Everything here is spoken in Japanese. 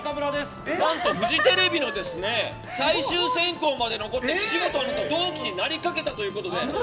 フジテレビの最終選考まで残って岸本アナの同期になりかけたということで。